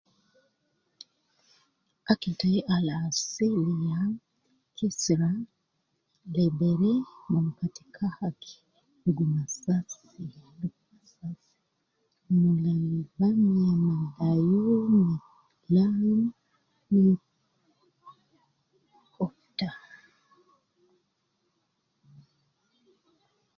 Akil tayi al asil ya , kisira, lebere, mukati kahaki, luguma sasi, ma mula bamiya ma layu, ma laham, ma kobda.